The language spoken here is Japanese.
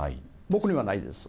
僕にはないです。